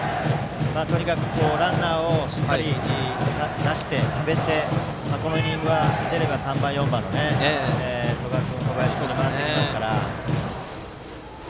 とにかくランナーをしっかり出してためて、このイニングは出れば３番、４番の曽我君、小林君に回りますから。